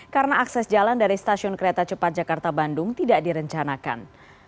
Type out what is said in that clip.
karena akses jalan dari stasiun kereta cepat jakarta bandung tidak direncanakan